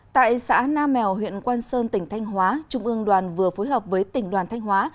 tại xã nam mèo huyện quang sơn tỉnh thanh hóa trung ương đoàn vừa phối hợp với tỉnh đoàn thanh hóa